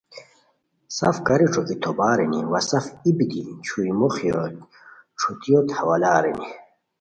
سف کاری ݯوکی توبہ ارینی وا سف ای بیتی چھوئی موخیو ݯھوتیوت حوالہ ارینی